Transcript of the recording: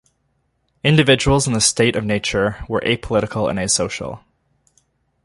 Individuals in the state of nature were apolitical and asocial.